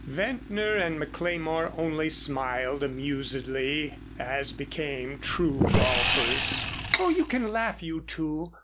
Ventnor and McLemore only smiled amusedly, as became true golfers. "Oh you can laugh, you two.